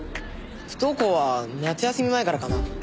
不登校は夏休み前からかな。